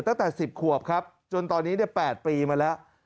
ตั้งแต่๑๐ขวบครับจนตอนนี้๘ปีมาแล้ว